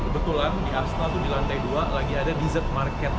kebetulan di asna tuh di lantai dua lagi ada dessert market